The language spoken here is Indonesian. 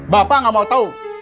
bapak gak mau tau